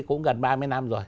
cũng gần ba mươi năm rồi